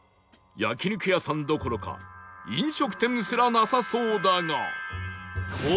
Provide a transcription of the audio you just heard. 焼肉屋さんどころか飲食店すらなさそうだが